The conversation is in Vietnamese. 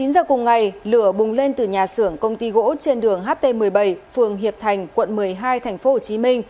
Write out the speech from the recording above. chín giờ cùng ngày lửa bùng lên từ nhà xưởng công ty gỗ trên đường ht một mươi bảy phường hiệp thành quận một mươi hai tp hcm